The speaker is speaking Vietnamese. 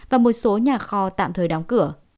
và một số nhà kho tạm thời đóng cửa